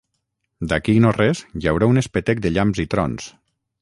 D'aquí no-res hi haurà un espetec de llamps i trons